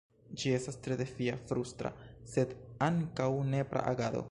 Ĝi estas tre defia, frustra, sed ankaŭ nepra agado.